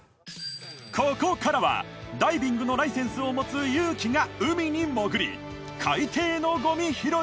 ここからはダイビングのライセンスを持つ有輝が海に潜り海底のゴミ拾いへ！